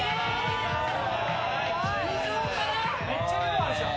・めっちゃ量あるじゃん。